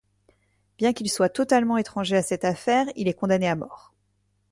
Bien qu'il soit totalement étranger à cette affaire, il est condamné à mort.